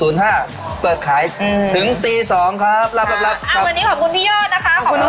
วันนี้ขอบคุณพี่ยอดนะคะขอบคุณลูกสูตรด้วยครับ